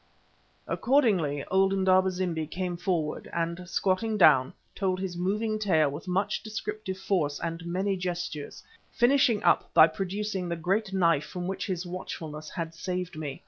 Accordingly old Indaba zimbi came forward, and, squatting down, told his moving tale with much descriptive force and many gestures, finishing up by producing the great knife from which his watchfulness had saved me.